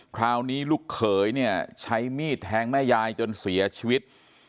คราวนี้ลูกเขยเนี่ยใช้มีดแทงแม่ยายจนเสียชีวิต